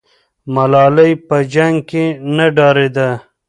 ملالۍ په جنګ کې نه ډارېده.